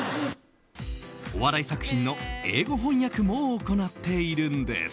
お笑い作品の英語翻訳も行っているんです。